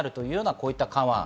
こういった緩和案。